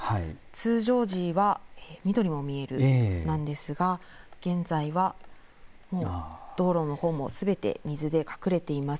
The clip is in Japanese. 通常時は緑も見えるはずなんですが現在はもう道路のほうもすべて水で隠れています。